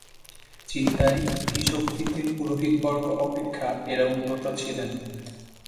চিন্তায়, ধীশক্তিতে পুরোহিতবর্গ অপেক্ষা এঁরা উন্নত ছিলেন।